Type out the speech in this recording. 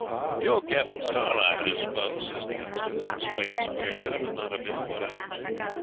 'You're Cap'n Starlight, I suppose,' says the youngster, looking straight and square at him, and not a bit put out.